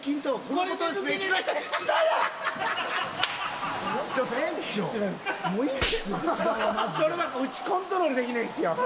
これうちコントロールできないんですよ。